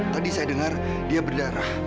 tadi saya dengar dia berdarah